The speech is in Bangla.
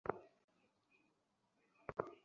আমার অনুভূতিকে প্রাধান্য দেয়া উচিত ছিল।